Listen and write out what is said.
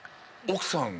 奥さん。